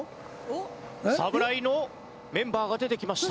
侍のメンバーが出てきました。